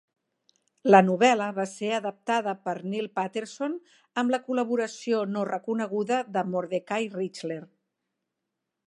La novel·la va ser adaptada per Neil Paterson, amb la col·laboració no reconeguda de Mordecai Richler.